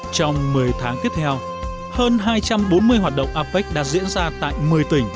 trong một mươi tháng tiếp theo hơn hai trăm bốn mươi hoạt động apec đã diễn ra tại một mươi tỉnh